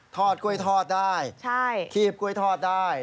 กล้วยทอดได้คีบกล้วยทอดได้